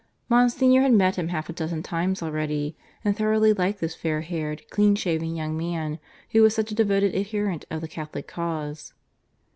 Monsignor had met him half a dozen times already, and thoroughly liked this fair haired, clean shaven young man who was such a devoted adherent of the Catholic cause.